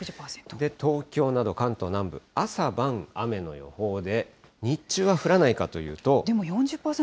東京など関東南部、朝晩雨の予報で、日中は降らないかというと。